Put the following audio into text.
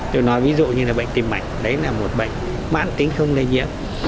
được nói ví dụ như là bệnh tiêm mạch đấy là một bệnh bản tính không lây nhiễm